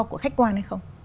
của khách quan hay không